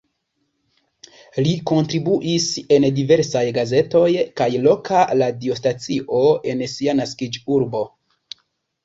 Li kontribuis en diversaj gazetoj kaj loka radiostacio en sia naskiĝurbo.